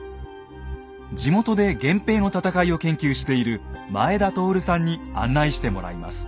地元で源平の戦いを研究している前田徹さんに案内してもらいます。